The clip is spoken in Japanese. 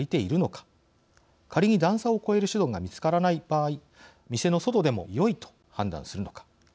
仮に段差を越える手段が見つからない場合店の外でもよいと判断するのか。